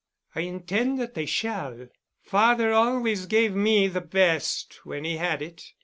"I intend that they shall. Father always gave me the best when he had it.